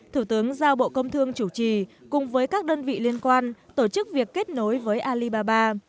thủ tướng giao bộ công thương chủ trì cùng với các đơn vị liên quan tổ chức việc kết nối với alibaba